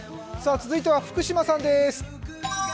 続いては福島さんです。